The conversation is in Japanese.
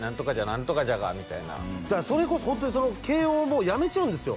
「何とかじゃが」みたいなそれこそホントに慶應もやめちゃうんですよ